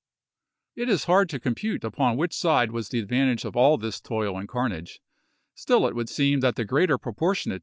It is hard to compute upon which side was the advantage of all this toil and carnage ; still it would seem that the greater proportionate damage fell to Lee.